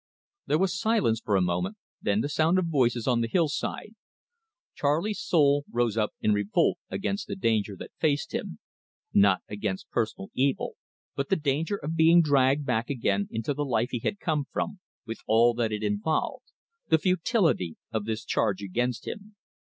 There was silence for a moment, then the sound of voices on the hill side. Charley's soul rose up in revolt against the danger that faced him not against personal peril, but the danger of being dragged back again into the life he had come from, with all that it involved the futility of this charge against him!